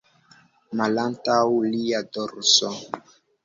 Malantaŭ lia dorso.